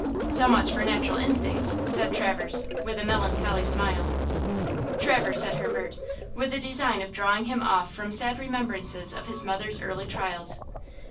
So much for natural instincts," said Traverse, with a melancholy smile. "Traverse," said Herbert, with the design of drawing him off from sad remembrances of his mother's early trials.